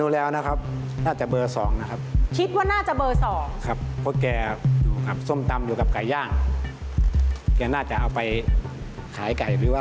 รับไว้พิจารณาด้วยนะฮะพี่ออส